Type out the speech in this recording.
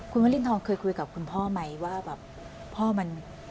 คุณวรินทรเคยคุยกับคุณพ่อไหมว่าแบบพ่อมัน